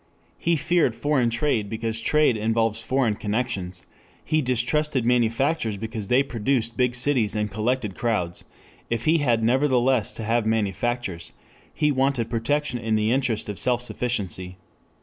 He feared foreign trade because trade involves foreign connections; he distrusted manufactures because they produced big cities and collected crowds; if he had nevertheless to have manufactures, he wanted protection in the interest of self sufficiency.